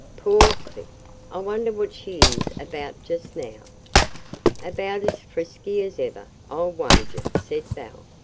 Poor Clip! I wonder what she is about just now." "About as frisky as ever, I'll wager," said Belle.